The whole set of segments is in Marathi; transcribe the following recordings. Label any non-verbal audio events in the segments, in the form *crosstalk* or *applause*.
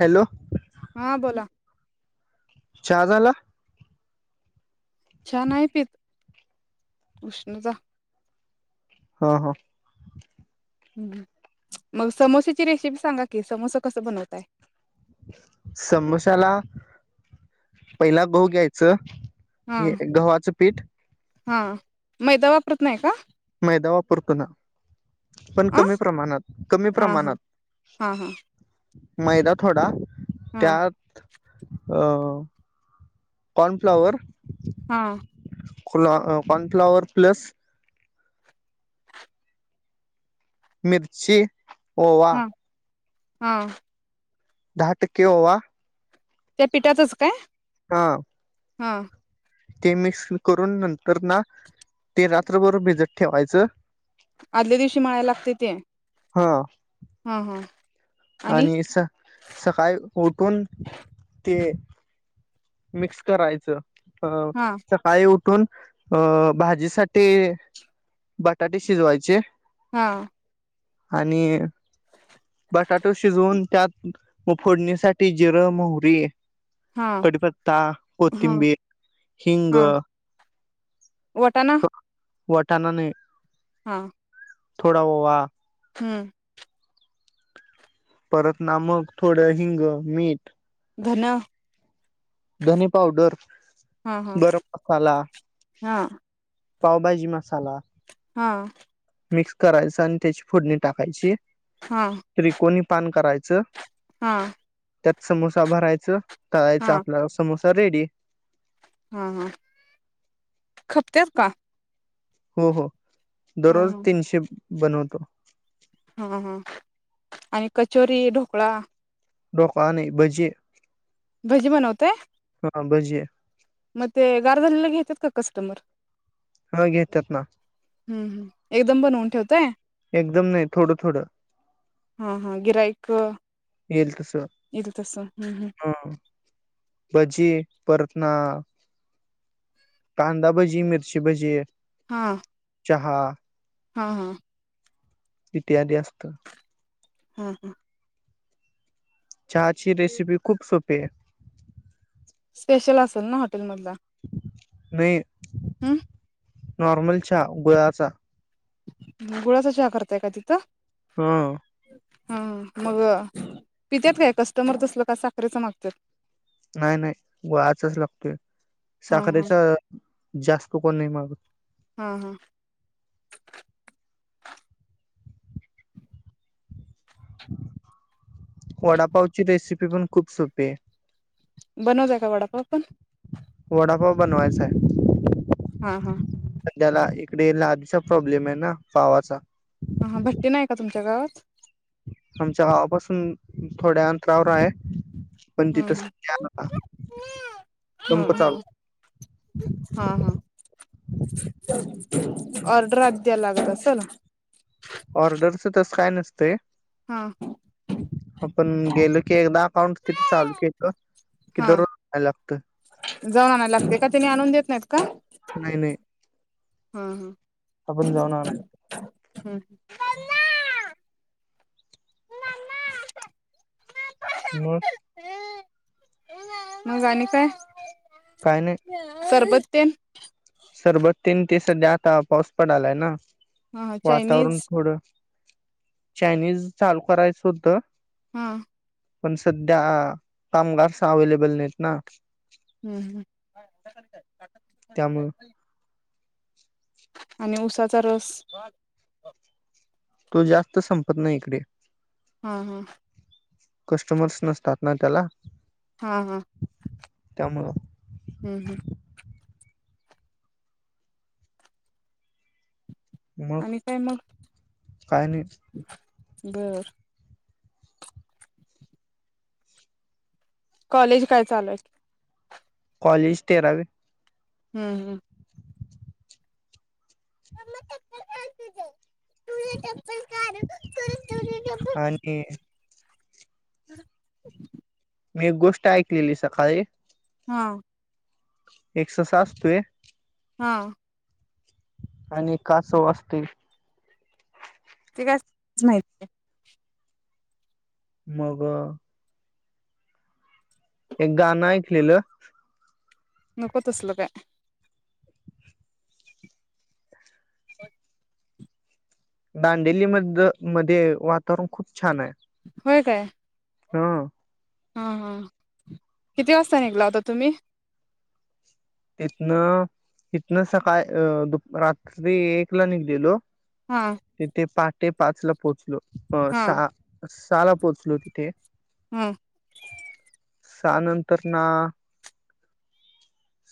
हॅलो? हा बोला. च्या झाला? च्या नाही पित. उष्णता हा हा! हम् मग समोश्याची रेसिपी सांगा कि समोसा कसं बनवताय? समोशाला पहिला गहु घ्यायचं. हा हे गव्हाचं पीठ हा मैदा वापरत नाही का? मैदा वापरतो ना, पण अ कमी प्रमाणात, कमी हा हा प्रमाणात. हा मैदा थोडा हं त्यात अ कॉर्नफ्लावर हा खुला कॉर्नफ्लावर प्लस मिरची ओवा. हाओ दहाटक्के ओवा त्या पिठातच काय? हा! हा. ते मिक्स करून नंतर ना, ते रात्रभर भिजत ठेवायचं. आदल्या दिवशी मळायला लागतय ते. हा ह ह! आणि स सकाळी उठून ते मिक्स करायचं. ह हा सकाळी उठ ठून अ भाजीसाठी बटाटे शिजवायचे. ह. आणि बटाटो शिजवून, त्यात फोडणीसाठी जिरं, मोहरी हा कडीपत्ता, हा कोथिंबीर, हिंग वटाना वटाना नाही. हा! थोडा ओवा हम्म परत नामक थोडं, हिंग मीठ धनं धने पावडर, हा गरम मसाला हा पावभाजी मसाला हा मिक्स करायचं आणि त्याची फोडणी टाकायची. हा त्रिकोणी पान करायचं हा त्यात समोसा भरायचं तळायचं हा आपल्याला समोसा रेडी हा हा खपत्यात का? हो हो हा दररोज तीनशे बनवतो. हा हा आणि कचोरी ढोकळा? ढोकळा आणि भजी भजी बनवताय? हा भजी आहे. मग ते गार झालेला घेत्यात का कस्टमर? हा घेतात ना हम्म हम् एकदम बनवून ठेवताय? एकदम नाही थोडं थोडं हा हा गिराईक येईल येईल तसं, तसं हम्म हम्म हा भजी आहे. परत ना कांदा भजी, मिरची भजी, आहे. हा चहा हा हा इत्यादी असतं हा हा चहाची रेसिपी खूप सोप *unintelligible* स्पेशल असेल ना? हाॅटेल मधला नाही हम नॉर्मल चहा गुळाचा गुळाचा चहा करताय का तिथं? हं हा मग पित्यात काय कस्टमर तसल का साखरेच मागत्यात? नाही नाही गुळाचाच लागतोय, हा हा साखरेचा जास्त कोण नाही मागत. हा हा. वडापावची रेसिपी पण खूप सोपी ये बनवताय का वडापाव पण? वडापाव बनवायचाय. हा हा पण त्याला इकडे लादीचा प्रॉब्लेम आहे ना पावाचा. हा हा भट्टी नाहीये का तुमच्या गावात? आमच्या गावापासून थोड्या अंतरावर आहे. पण हा तिथ सध्या आता हा संप हा चालू हा हा हा. ऑर्डर आदी द्यायला लागत असल. ऑर्डरच तस काय नसतय. हा आपण गेलो की एकदा पाउंड तिथं चालू केलं. की हा दररोज जायला लागतं जाऊन आणायला लागतय का त्यानी आणून देत नाहीत का? नाही नाही हम्म आपण जाऊन हम्म आणू *inaudible* हम्म *inaudible* मग मग आणि काय? काय नाही सरबत तेन सरबत तेन ते सध्या आता पाऊस पडालाय ना हा वातावरण चायनीज थोडं चायनीज चालू करायच होत. हा पण सध्या कामगारस अवेलेबल नाहीत ना. हम्म हम्म त्यामुळ आणि ऊसाचा रस. तो जास्त संपत नाही इकडे. हा हा कस्टमर्स नसतात ना त्याला. हा हा. त्यामुळ हम्म हम्म मग आणि काय मग काय नाही बर कॉलेज काय चालूय? कॉलेज तेरावी हम्म हम्म मम्मा चप्पल काढ तुझे, तुझे चप्पल काढ. *unintelligible* रिकामा ऑडिओ मी एक गोष्ट ऐकलेली सकाळी हा एक ससा आसतोय. हा आणि एक कासव असतोय. ते काय *unintelligible* मग एक गाण ऐकलेलं. नको तसल काय दांडेली मद मध्ये वातावरण खूप छान आहे. होय काय? हा हा हा किती वाजता निघला होता तुम्ही? तिथन इथन सकाळ अ दु रात्री एकला निघलेलो. हा तिथे पाट ते पाचला पोचलो. हो हा सहा सहाला पोहोचलो तिथे. हम्म सहा नंतर ना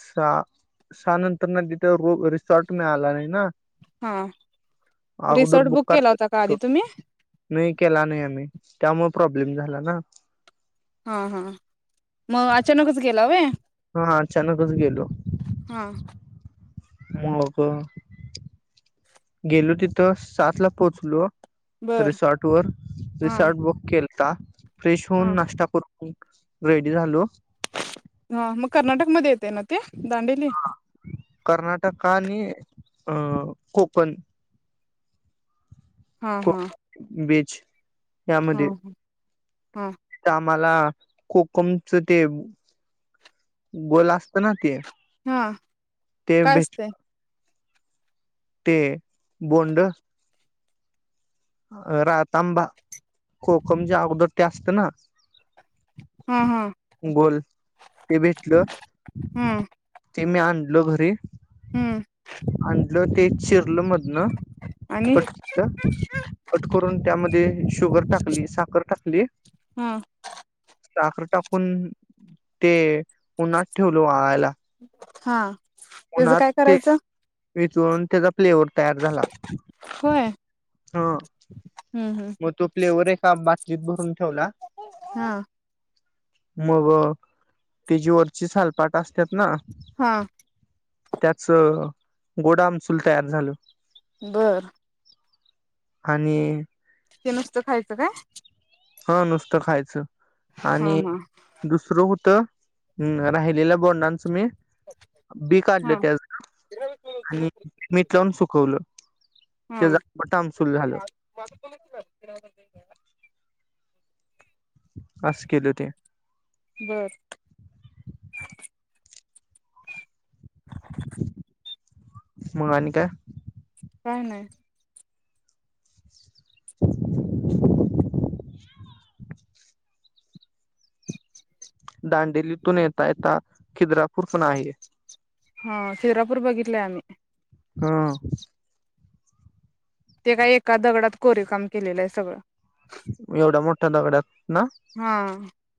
सहा सहा नंतर ना तिथ रो रिसॉर्ट मिळाला नाही ना. हा अगोदर रिसॉर्ट बुक केला होता का करायला आधी तुम्ही नाही केला नाही आम्ही त्यामुळे प्रॉब्लेम झाला ना. हा हा मग अचानकच गेला व्हय. हा अचानकच गेलो. हा मग गेलो तिथं सातला पोहोचलो. बर रिसॉर्ट वर हा रिसॉर्ट बुक के का? फ्रेश होऊन हा नास्ता करू. रेडी झालो. हा मग कर्नाटक मध्ये येते ना ते? दांडेली? कर्नाटका आणि अ कोकण हा हा *inaudible* या मध्ये हम्म ते आम्हाला कोकमच ते गोल असत ना ते हा ते काय भेट असतय ते बोंड रातांबा कोकमच्या अगोदर ते असते ना हा हा बोल ते भेटलं हम्म ते मी आणलो घरी हम्म *unintelligible* जर ते चिरल मद न आणि कट *unintelligible* करून त्यामध्ये शुगर टाकली साखर टाकली अंह साखर टाकून ते उन्हात ठेवलो वाळायला हां त्येचं काय करायचं विजवून त्येच प प्ले ओर तयार झाला होय हं हम्म हम्म म तो प्लेवर एका बाटलीत भरून ठेवला हा मग तेची वरची सालपाट असत्यात ना हां त्याच गोड आमसूल तयार झाल बर आणि ते नसत खायचं काय हा नुसत खायच हा आणि हा दुसरं होतं हं राहिलेल बोलणार तुम्ही बी हा काढलं *unintelligible* आणि मीट लावून सुखवलं हं झालं *unintelligible* बस केलं ते बर मग आणि काय काय नाही दांडेलीतून येेता येता खिद्रापूर पण आहे हां शिरापूर बघितलय आम्ही हां ते काय एका दगडात कोरीव काम केलेलं हाय सगळं एवढ्या मोठ्या दगडात ना हा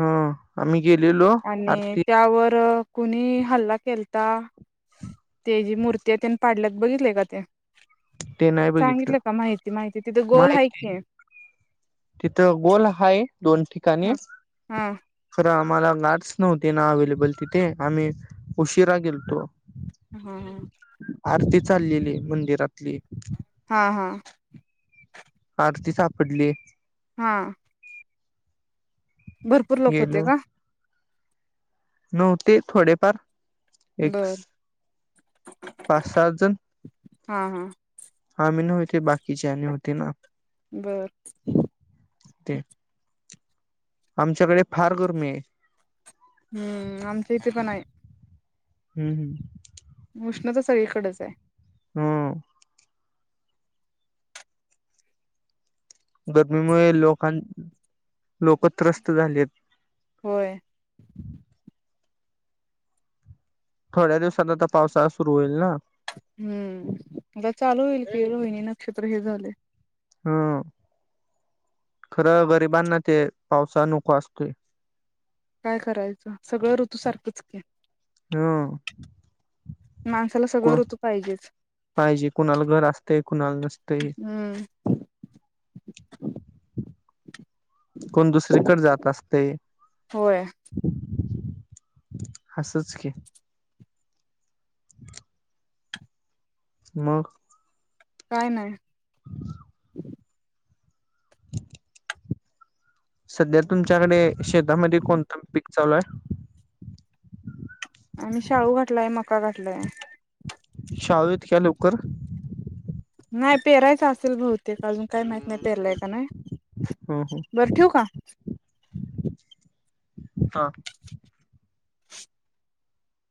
हां आम्ही गेलेलो आणि आरती त्यावर.. कुणी हल्ला केलता? *inaudible* ते जी मूर्ती आहे त्यांन पाडल्यात बघितलय का ते ते नाही बघितलं सांगितल का माहिती माहिती तिथ गोल हाय कि तिथ गोल हाय दोन ठिकाणी हा *unintelligible* हा खरं आम्हाला गार्ड्स नव्हते ना अवेलेबल तिथे आम्ही उशिरा गेलतो. हा हा आरती चाललेली मंदिरातली हा हा *inaudible* किती सापडलीये हा भरपूर लोक होते गेलो का? नव्हते थोडेफार एक्स बर पाच सहा जण हा हा *inaudible* मी नव्हे ते बाकीचे आणि होती ना बर *inaudible* *inaudible* ते आमच्याकडे फार गरमी आहे हम्म आमच्या *inaudible* इथे पण आहे हम्म हम्म *inaudible* उष्णता सगळीकडच आहे हम्म गर्मीमुळे लोकां लोक त्रस्त झालेत होय थोड्या दिवसात आता पावसाळा सुरू होईल ना? हम्म *unintelligible* चालू होईल की रोहिणी नक्षत्र हे झालय हम्म खरं गरिबांना ते पावसाळा नको असतोय काय करायच? सगळ ऋतू सारखेच की. हं माणसाला सगळं कोण ऋतू पाहिजेच पाहिजे? कुणाला घर असतय? कुणाला नसतय? हम्म *inaudible* कोण दुसरीकड जात असतय होय *inaudible* हसच की मग काय नाय सध्या तुमच्याकडे शेतामध्ये कोणत पीक चालू आहे? आम्ही शाळू घाटलाय मका घाटलाय शाळु इतक्या लवकर *inaudible* नाय पेरायच असेल बहुतेक अजून काय माहत नाय पेरलाय का नाय? ह ह *inaudible* बर ठेवू का? *inaudible* हा